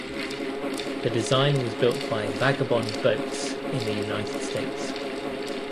The design was built by Vagabond Boats in the United States.